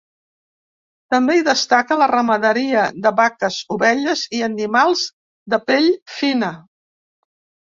També hi destaca la ramaderia de vaques, ovelles i animals de pell fina.